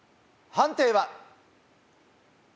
判定は？